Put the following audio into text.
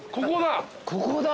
ここだ。